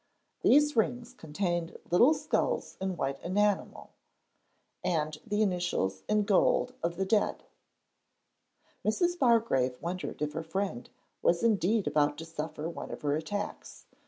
These rings contained little skulls in white enamel, and the initials in gold of the dead. Mrs. Bargrave wondered if her friend was indeed about to suffer from one of her attacks.